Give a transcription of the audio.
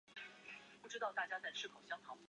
哈姆畔。